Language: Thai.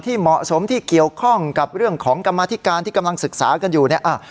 เหมาะสมที่เกี่ยวข้องกับเรื่องของกรรมธิการที่กำลังศึกษากันอยู่เนี่ย